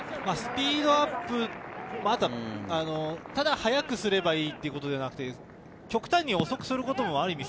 スピードアップ、ただ速くすればいいってことではなくて、極端に遅くすることもある